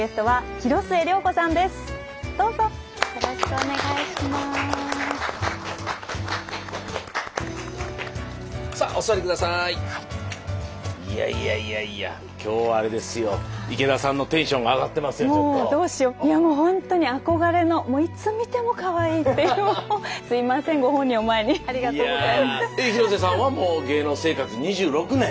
広末さんはもう芸能生活２６年。